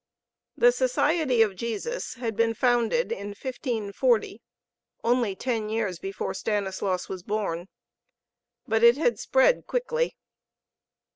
The Society of Jesus had been founded in 1540, only ten years before Stanislaus was born. But it had spread quickly.